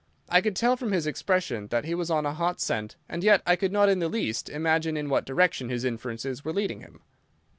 I could tell from his expression that he was on a hot scent, and yet I could not in the least imagine in what direction his inferences were leading him.